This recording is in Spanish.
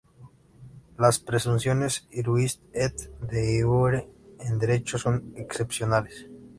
Las presunciones "iuris et de iure" en derecho son excepcionales.